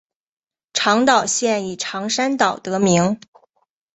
长岛县以长山岛得名。